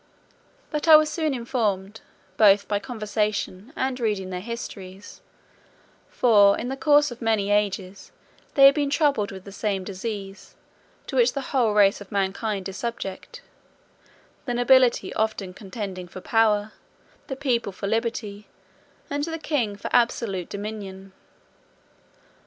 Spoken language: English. But I was soon informed, both by conversation and reading their histories; for, in the course of many ages, they have been troubled with the same disease to which the whole race of mankind is subject; the nobility often contending for power, the people for liberty, and the king for absolute dominion.